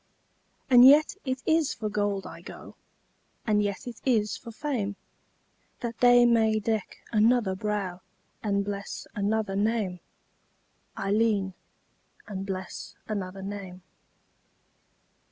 And yet it is for gold I go, And yet it is for fame, That they may deck another brow And bless another name, Ailleen, And bless another name.